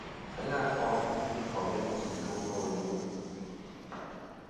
Aghɨ a kom iwo i komunity i to nô ajuŋ.